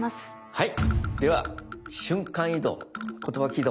はい。